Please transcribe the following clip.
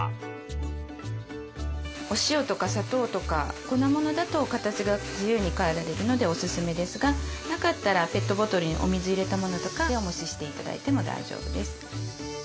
お塩とか砂糖とか粉ものだと形が自由に変えられるのでおすすめですがなかったらペットボトルにお水入れたものとかでおもしして頂いても大丈夫です。